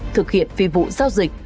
thực hiện phi vụ giao dịch